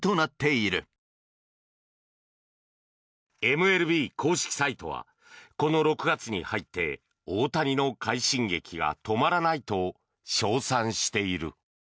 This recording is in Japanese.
ＭＬＢ公式サイトはこの６月に入って大谷の快進撃が止まらないと称賛している。